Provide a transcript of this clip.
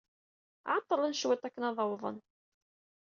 Ɛeḍḍlen cwiṭ akken ad d-awḍen.